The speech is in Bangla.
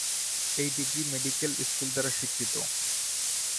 এই ডিগ্রী মেডিকেল স্কুল দ্বারা স্বীকৃত।